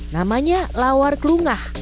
namanya lawar kelungah